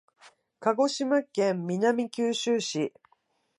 鹿児島県南九州市